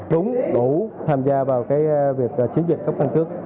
đúng đủ tham gia vào việc chiến dịch cấp căn cước